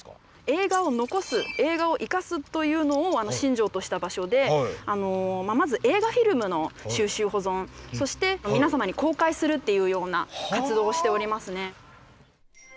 「映画を残す、映画を活かす。」というのを信条とした場所でまず映画フィルムの収集・保存そして皆様に公開するっていうような活動をしておりますね。